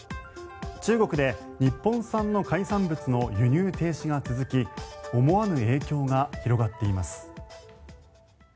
中国で日本産の海産物の輸入停止が続き思わぬ影響が広がっています。